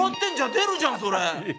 出るじゃんそれ。